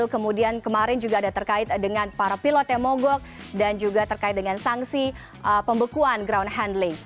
kemudian kemarin juga ada terkait dengan para pilot yang mogok dan juga terkait dengan sanksi pembekuan ground handling